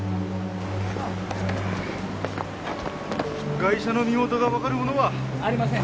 ガイシャの身元がわかるものは？ありません。